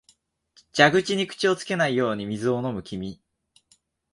蛇口に口をつけないように水を飲む君、